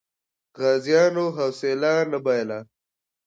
غازیانو حوصله نه بایله.